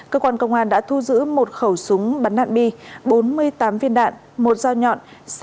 cơ quan công an đã thu giữ một khẩu súng bắn đạn bi bốn mươi tám viên đạn một dao nhọn